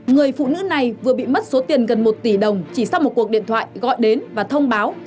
người phụ nữ này vừa bị mất số tiền gần một tỷ đồng chỉ sau một cuộc điện thoại gọi đến và thông báo